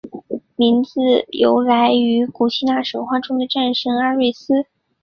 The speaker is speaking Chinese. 名字由来于古希腊神话中的战神阿瑞斯。